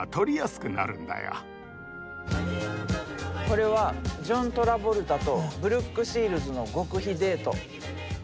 これはジョン・トラボルタとブルック・シールズの極秘デート。